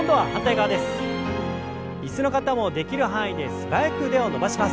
椅子の方もできる範囲で素早く腕を伸ばします。